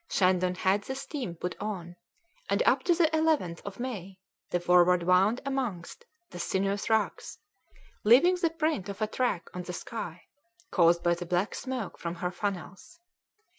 Shandon had the steam put on, and up to the 11th of May the Forward wound amongst the sinuous rocks, leaving the print of a track on the sky, caused by the black smoke from her funnels.